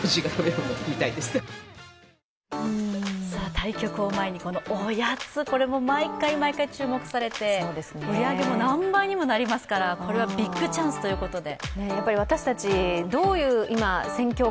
対局を前に、このおやつ、毎回毎回注目されて売り上げも何倍にもなりますからビッグチャンスということで。